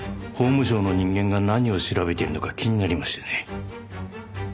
法務省の人間が何を調べているのか気になりましてね。